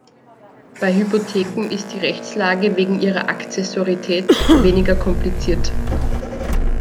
Bei Hypotheken ist die Rechtslage wegen ihrer Akzessorietät weniger kompliziert.